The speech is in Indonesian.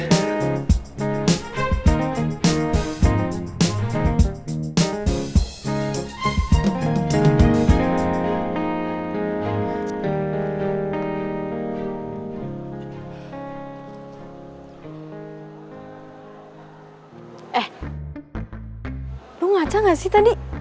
eh lu ngaca gak sih tadi